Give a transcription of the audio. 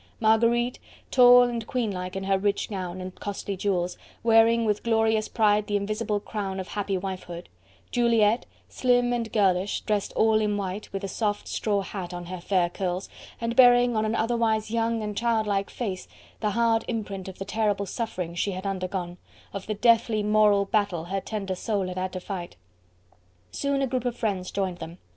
Marguerite, tall and queen like in her rich gown, and costly jewels, wearing with glorious pride the invisible crown of happy wifehood: Juliette, slim and girlish, dressed all in white, with a soft, straw hat on her fair curls, and bearing on an otherwise young and child like face, the hard imprint of the terrible sufferings she had undergone, of the deathly moral battle her tender soul had had to fight. Soon a group of friends joined them.